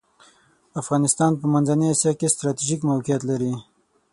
افغانستان په منځنۍ اسیا کې ستراتیژیک موقیعت لری .